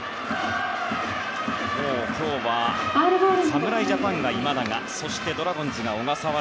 今日は侍ジャパンが今永そしてドラゴンズが小笠原。